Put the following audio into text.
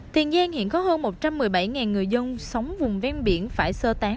tiền giang hiện có hơn một trăm một mươi bảy người dân sống vùng ven biển phải sơ tán